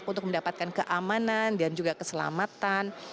mereka perlu mendapatkan keamanan dan juga keselamatan